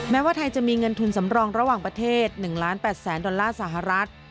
แม้ว่าไทยจะมีเงินทุนสำรองระหว่างประเทศ๑ล้าน๘แสนดอลลาร์สหรัฐ